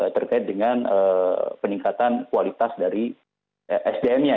terkait dengan peningkatan kualitas dari sdm nya